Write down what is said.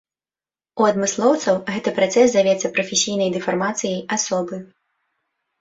У адмыслоўцаў гэты працэс завецца прафесійнай дэфармацыяй асобы.